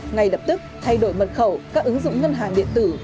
ngay lập tức thay đổi mật khẩu các ứng dụng ngân hàng điện tử